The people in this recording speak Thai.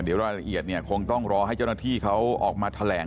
เดี๋ยวรายละเอียดเนี่ยคงต้องรอให้เจ้าหน้าที่เขาออกมาแถลง